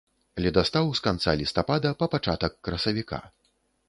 Ледастаў з канца лістапада па пачатак красавіка.